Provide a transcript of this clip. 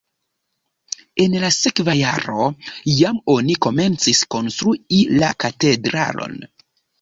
En la sekva jaro jam oni komencis konstrui la katedralon.